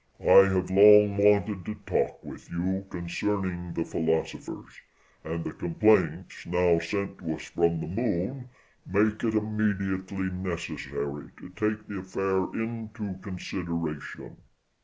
I have long wanted to talk with you concerning the philosophers, and the complaints now sent to us from the Moon make it immediately necessary to take the affair into consideration.